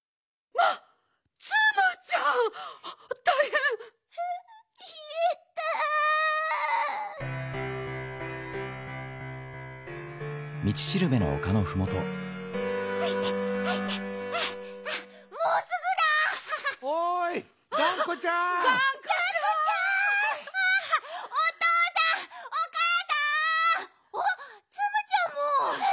あっツムちゃんも。